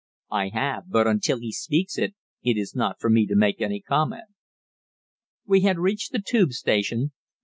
"I have, but until he speaks it is not for me to make any comment." We had reached the Tube station.